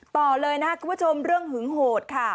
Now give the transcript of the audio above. ต่อเลยนะครับคุณผู้ชมเรื่องหึงโหดค่ะ